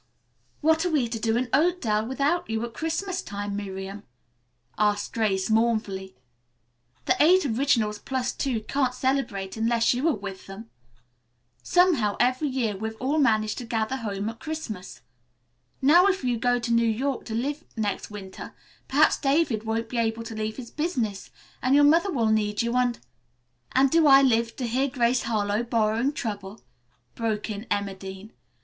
"What are we to do in Oakdale without you, at Christmas time, Miriam?" asked Grace mournfully. "The Eight Originals Plus Two can't celebrate unless you are with them. Somehow every year we've all managed to gather home at Christmas. Now if you go to New York to live next winter perhaps David won't be able to leave his business, and your mother will need you and " "And do I live to hear Grace Harlowe borrowing trouble?" broke in Emma Dean.